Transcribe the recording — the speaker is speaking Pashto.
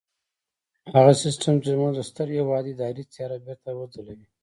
هغه سيستم چې زموږ د ستر هېواد اداري څېره بېرته وځلوي.